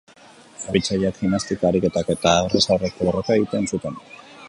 Erabiltzaileek, gimnastika ariketak edo aurrez aurreko borroka egiten zuten.